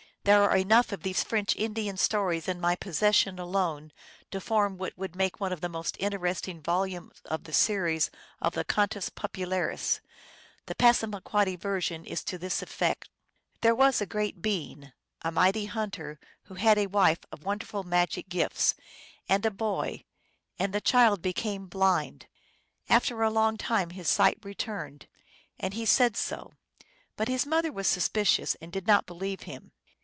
There are enough of these French Indian stories in my possession alone to form what would make one of the most interesting volumes of the series of the Contes Populaires. The Passamaquoddy version is to this effect :" There was a great being, a mighty hunter, who had a wife, of wonderful magic gifts, and a boy ; and the child became blind. After a long time his sight returned, and he said so ; but his mother was suspicious, and did not believe him."